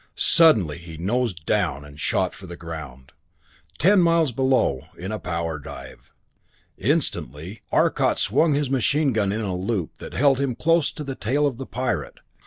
Suddenly he nosed down and shot for the ground, ten miles below, in a power dive. Instantly Arcot swung his machine in a loop that held him close to the tail of the pirate.